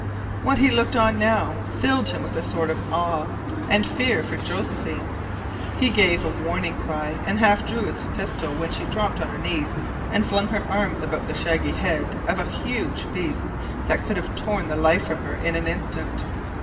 What he looked on now filled him with a sort of awe and a fear for Josephine. He gave a warning cry and half drew his pistol when she dropped on her knees and flung her arms about the shaggy head of a huge beast that could have torn the life from her in an instant.